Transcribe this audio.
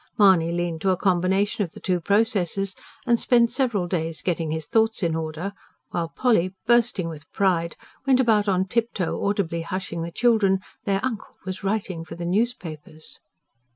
Mahony leaned to a combination of the two processes, and spent several days getting his thoughts in order; while Polly, bursting with pride, went about on tiptoe audibly hushing the children: their uncle was writing for the newspapers.